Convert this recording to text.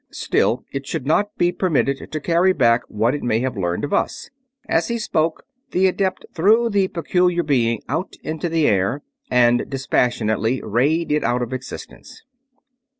Still, it should not be permitted to carry back what it may have learned of us." As he spoke the adept threw the peculiar being out into the air and dispassionately rayed it out of existence.